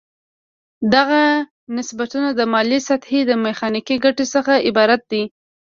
دغه نسبتونه د مایلې سطحې د میخانیکي ګټې څخه عبارت دي.